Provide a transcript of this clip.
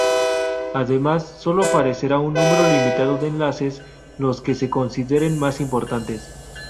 Además, sólo aparecerá un número limitado de enlaces, los que se consideren más importantes.